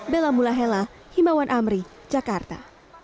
bella mulahela himawan amri jakarta